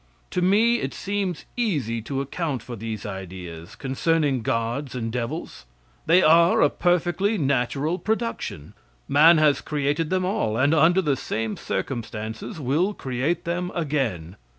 To me, it seems easy to account for these ideas concerning gods and devils. They are a perfectly natural production. Man has created them all, and under the same circumstances will create them again.